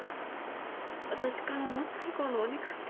私からの最後のお願いです」。